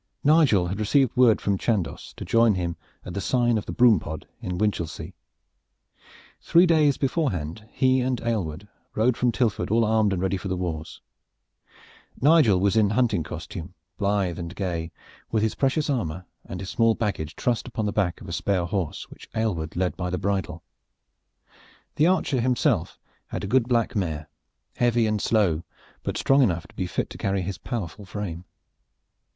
Nigel had received word from Chandos to join him at "The Sign of the Broom Pod" in Winchelsea. Three days beforehand he and Aylward rode from Tilford all armed and ready for the wars. Nigel was in hunting costume, blithe and gay, with his precious armor and his small baggage trussed upon the back of a spare horse which Aylward led by the bridle. The archer had himself a good black mare, heavy and slow, but strong enough to be fit to carry his powerful frame.